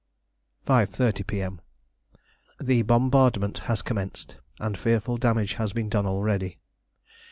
5.30 P.M. The bombardment has commenced, and fearful damage has been done already.